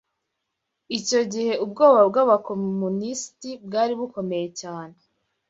Icyo gihe ubwoba bw’abakomunisiti bwari bukomeye cyane.